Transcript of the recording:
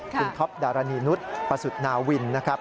คุณท็อปดารณีนุษย์ประสุทธิ์นาวินนะครับ